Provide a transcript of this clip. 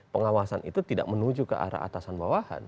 pengawasan itu tidak menuju ke arah atasan bawahan